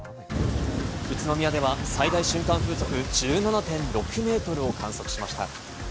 宇都宮では最大瞬間風速１７．６メートルを観測しました。